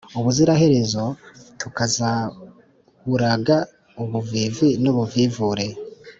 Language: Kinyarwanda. ubuziraherezo tukazawuraga ubuvivi n'ubuvivure.